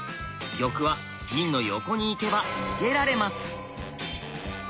玉は銀の横に行けば逃げられます。